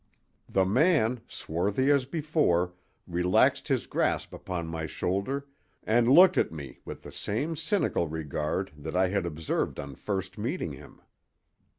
The man, swarthy as before, relaxed his grasp upon my shoulder and looked at me with the same cynical regard that I had observed on first meeting him.